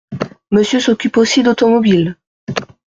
Monsieur s’occupe aussi d’automobile ?